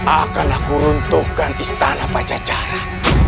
akan aku runtuhkan istana pajajaran